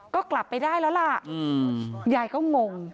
ก็กลับไปได้แล้วล่ะยายก็งง